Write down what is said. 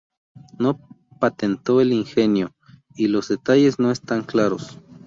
No patentó el ingenio, y los detalles no están claros.